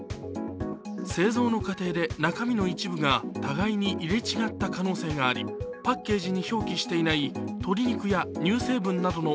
製造の過程で中身の一部が互いに入れ違った可能性があり、パッケージに表記していない鶏肉や乳成分などの